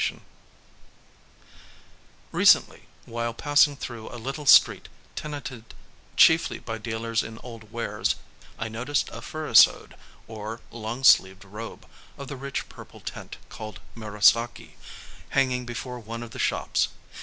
Furisodé Recently, while passing through a little street tenanted chiefly by dealers in old wares, I noticed a furisodé, or long sleeved robe, of the rich purple tint called murasaki, hanging before one of the shops.